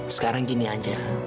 sekarang gini aja